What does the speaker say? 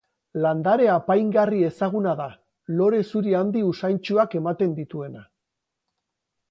Landare apaingarri ezaguna da, lore zuri handi usaintsuak ematen dituena.